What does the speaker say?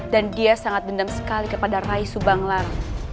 dan dia sangat dendam sekali kepada rai subanglar